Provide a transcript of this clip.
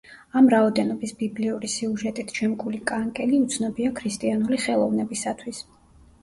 ამ რაოდენობის ბიბლიური სიუჟეტით შემკული კანკელი უცნობია ქრისტიანული ხელოვნებისათვის.